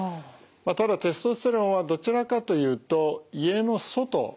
ただテストステロンはどちらかというと家の外ですね。